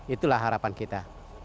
itulah harapan kita